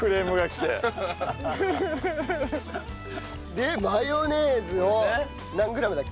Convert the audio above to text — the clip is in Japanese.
でマヨネーズを何グラムだっけ？